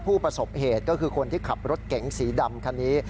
ผู้ประสบเหตุก็คือคนที่ขับรถเก๋งสีดำคันนี้